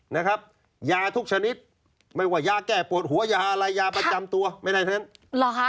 นะครับยาทุกชนิดไม่ว่ายาแก้ปวดหัวยาอะไรยาประจำตัวไม่ได้ทั้งนั้นเหรอฮะ